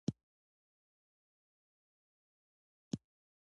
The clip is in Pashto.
ازادي راډیو د بیکاري پر وړاندې یوه مباحثه چمتو کړې.